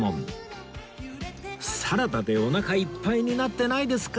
サラダでおなかいっぱいになってないですか？